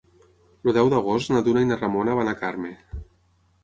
El deu d'agost na Duna i na Ramona van a Carme.